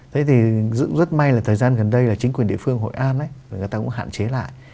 thế thì rất may là thời gian gần đây là chính quyền địa phương hội an người ta cũng hạn chế lại